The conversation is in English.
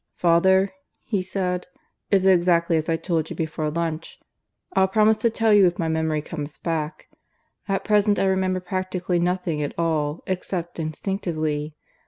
"Father," he said, "it's exactly as I told you before lunch. I'll promise to tell you if my memory comes back. At present I remember practically nothing at all, except instinctively.